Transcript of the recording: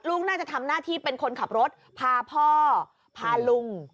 ลูกน่าจะทำหน้าที่เป็นคนขับรถพาพ่อพาลุง